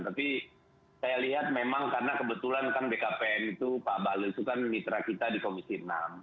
tapi saya lihat memang karena kebetulan kan bkpn itu pak bahlil itu kan mitra kita di komisi enam